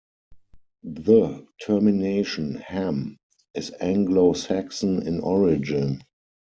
The termination "-ham" is Anglo-Saxon in origin.